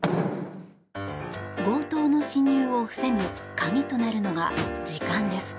強盗の侵入を防ぐ鍵となるのが時間です。